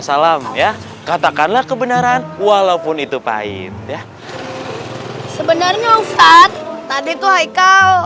salam ya katakanlah kebenaran walaupun itu pahit ya sebenarnya ustadz tadi itu haikal